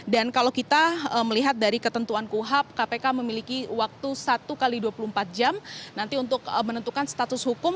dan kalau kita melihat dari ketentuan kuhap kpk memiliki waktu satu x dua puluh empat jam nanti untuk menentukan status hukum